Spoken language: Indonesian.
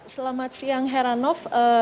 selamat siang heranov